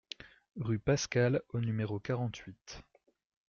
Rue Pascal au numéro quarante-huit